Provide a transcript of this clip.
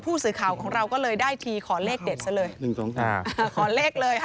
ผู้สื่อข่าวของเราก็เลยได้ทีขอเลขเด็ดซะเลยขอเลขเลยค่ะ